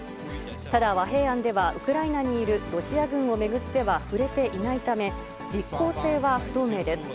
ただ、和平案では、ウクライナにいるロシア軍を巡っては触れていないため、実効性は不透明です。